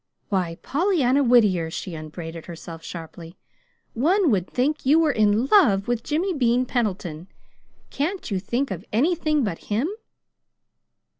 "Well, Pollyanna Whittier," she upbraided herself sharply, "one would think you were in LOVE with Jimmy Bean Pendleton! Can't you think of ANYTHING but him?"